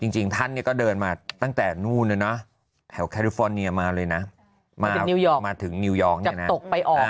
จริงท่านเนี่ยก็เดินมาตั้งแต่นู่นนะแถวแคริฟอร์เนียมาเลยนะมาถึงนิวยอร์กไปออก